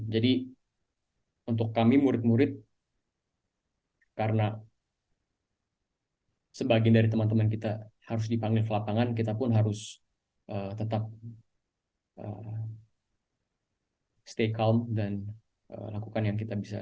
jadi untuk kami murid murid karena sebagian dari teman teman kita harus dipanggil ke lapangan kita pun harus tetap stay calm dan lakukan yang kita bisa bantu